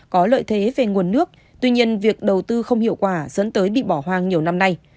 có lợi thế về nguồn nước tuy nhiên việc đầu tư không hiệu quả dẫn tới bị bỏ hoang nhiều năm nay